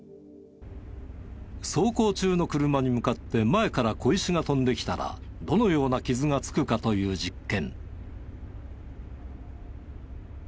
走行中の車に向かって前から小石が飛んできたらどのような傷がつくかという実験。